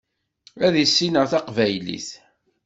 Ad issineɣ tabqylit.